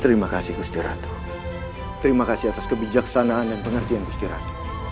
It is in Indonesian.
terima kasih kus tiratu terima kasih atas kebijaksanaan dan pengertian kus tiratu